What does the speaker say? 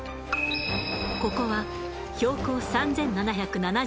ここは標高３、７７６ｍ。